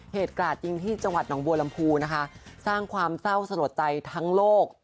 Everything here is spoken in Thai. กราดยิงที่จังหวัดหนองบัวลำพูนะคะสร้างความเศร้าสลดใจทั้งโลก